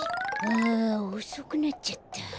あおそくなっちゃった。